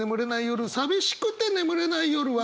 「寂しくて眠れない夜は」